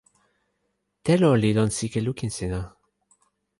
telo li lon sike lukin sina.